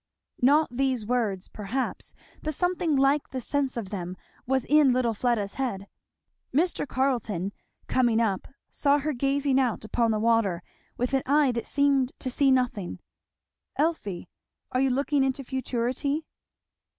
Not these words perhaps, but something like the sense of them was in little Fleda's head. Mr. Carleton coming up saw her gazing out upon the water with an eye that seemed to see nothing. "Elfie! Are you looking into futurity?"